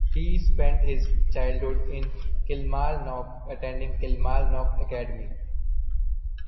He spent his childhood in Kilmarnock, attending Kilmarnock Academy.